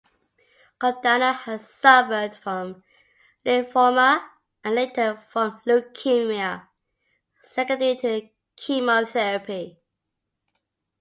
Giordano had suffered from lymphoma and later from leukemia, secondary to the chemotherapy.